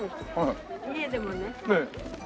家でもね。